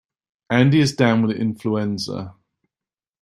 Andy is down with influenza.